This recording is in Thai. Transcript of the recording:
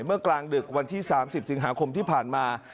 เมื่อกลางดึกวันที่๓๐สิงหาคมที่ผ่านมา